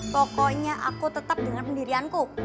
pokoknya aku tetap dengan pendirianku